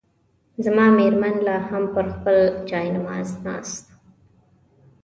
زما مېرمن لا هم پر خپل جاینماز ناست وه.